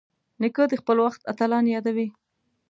نیکه د خپل وخت اتلان یادوي.